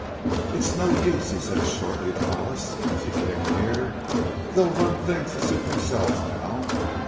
"It's no use," he said shortly to Hollis as he came near; "they'll run things to suit themselves now.